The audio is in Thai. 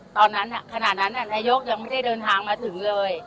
ตอนนั้นน่ะขนาดนั้นน่ะนายโยกยังไม่ได้เดินทางมาถึงเลย